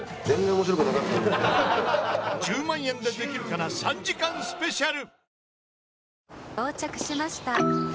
『１０万円でできるかな』３時間スペシャル